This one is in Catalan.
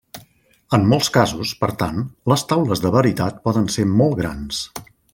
En molts casos, per tant, les taules de veritat poden ser molt grans.